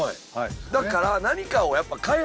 だから。